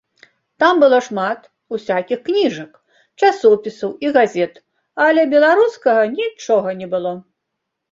Там было шмат усякіх кніжак, часопісаў і газет, але беларускага нічога не было.